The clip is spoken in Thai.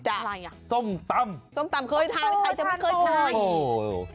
อะไรอ่ะส้มตำส้มตำเคยทานหรือใครจะไม่เคยทาน